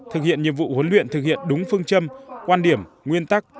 thực hiện nhiệm vụ huấn luyện thực hiện đúng phương châm quan điểm nguyên tắc